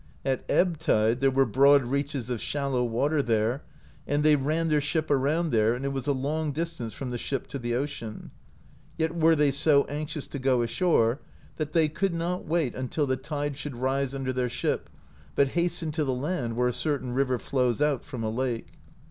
At ebb tide there were broad reaches of shallow water there, and they ran their ship around there, and it was a long distance from the ship to the ocean; yet were they so anxious to go ashore that they could not wait until the tide should rise under their ship, but hastened to the land, where a cer tain river flows out frc«n a lake.